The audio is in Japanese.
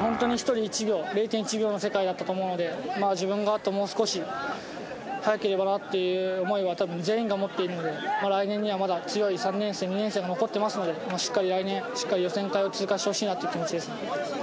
本当に１人１秒、０．１秒の世界だったと思うので、自分があともう少し速ければなっていう思いはたぶん全員が持っているので、来年にはまだ強い３年生、２年生が残ってますので、しっかり予選会を通過してほしいなという気持ちです。